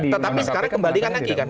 tetapi sekarang kembalikan lagi kan